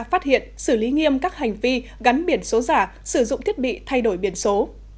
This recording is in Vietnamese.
phát hiện xử lý nghiêm các hành vi gắn biển số giả sử dụng thiết bị thay đổi biển số